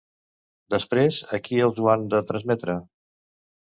Després, a qui els ho han de transmetre?